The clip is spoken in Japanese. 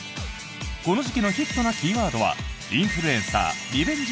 この時期のヒットなキーワードはインフルエンサー、リベンジ